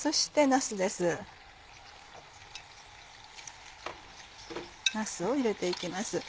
なすを入れて行きます。